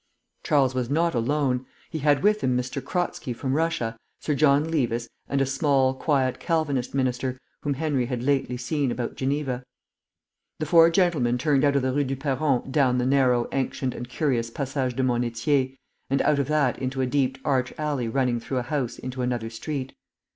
Charles was not alone. He had with him M. Kratzky from Russia, Sir John Levis, and a small, quiet Calvinist minister, whom Henry had lately seen about Geneva. The four gentlemen turned out of the Rue du Perron down the narrow, ancient and curious Passage de Monnetier, and out of that into a deep arched alley running through a house into another street.